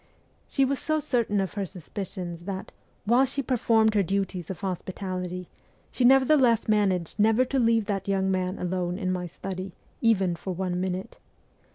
' She was so certain of her suspicions that, while she performed her duties of hospitality, she nevertheless managed never to leave that young man alone in my study, even for one minute.